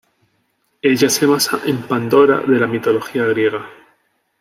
Ella se basa en Pandora de la mitología griega.